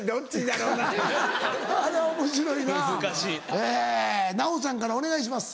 えぇ奈緒さんからお願いします。